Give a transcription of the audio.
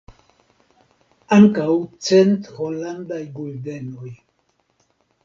Ankaŭ cent holandaj guldenoj.